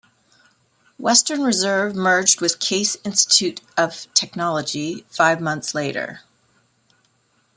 Western Reserve merged with Case Institute of Technology five months later.